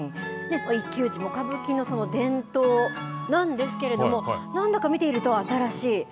この一騎打ちも歌舞伎の伝統なんですけれども何だか見ていると新しい。